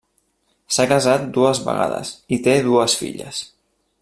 S'ha casat dues vegades i té dues filles.